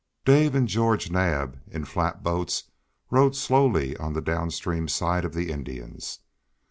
Dave and George Naab in flat boats rowed slowly on the down stream side of the Indians.